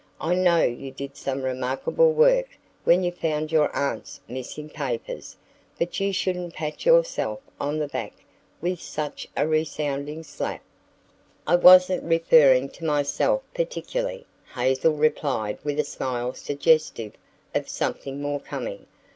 "I know you did some remarkable work when you found your aunt's missing papers, but you shouldn't pat yourself on the back with such a resounding slap." "I wasn't referring to myself particularly," Hazel replied with a smile suggestive of "something more coming."